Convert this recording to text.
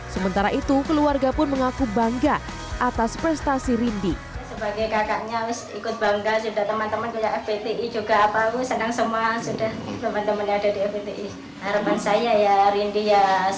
sementara itu keluarga pun mengaku bangga atas prestasi rindy